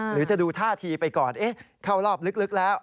หรือจะดูท่าทีไปก่อนเข้ารอบลึกแล้ว